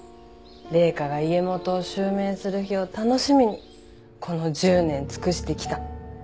麗華が家元を襲名する日を楽しみにこの１０年尽くしてきた。